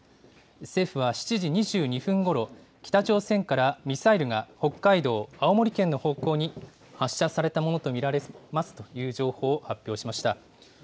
政府は７時２２分ごろ、北朝鮮からミサイルが北海道、青森県の方向に発射されたものと見られますという情報を発表しました。